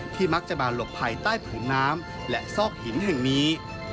มักจะมาหลบภัยใต้ผืนน้ำและซอกหินแห่งนี้